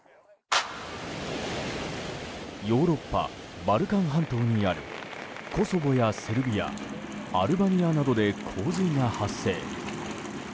ヨーロッパ・バルカン半島にあるコソボやセルビアアルバニアなどで洪水が発生。